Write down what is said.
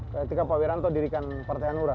ketika pak wiranto dirikan partai hanura